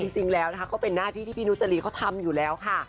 จริงแล้วนะคะก็เป็นหน้าที่ที่พี่นุจรีเขาทำอยู่แล้วค่ะ